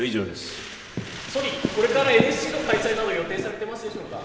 総理、これからＮＳＣの開催など予定されていますでしょうか。